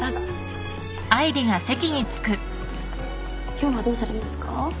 今日はどうされますか？